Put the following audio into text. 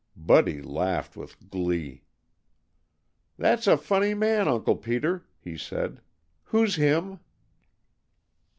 Buddy laughed with glee. "That's a funny man, Uncle Peter," he said. "Who's him?"